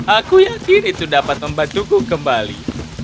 aku yakin itu dapat membantuku kembali